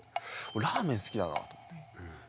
ラーメン好きだなと思って。